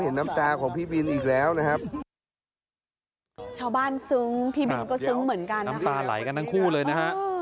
น้ำตาไหลกันทั้งคู่เลยนะฮะ